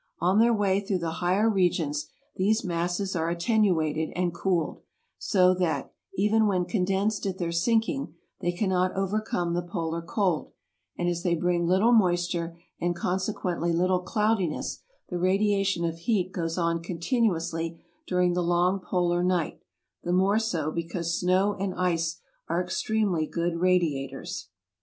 On their way through the higher regions these masses are attenuated and cooled, so that, even when condensed at their sinking, they cannot overcome the polar cold ; and as they bring little moisture, and consequently little cloudiness, the radiation of heat goes on continuously during the long polar night; the more so because snow and ice are extremely good radiators.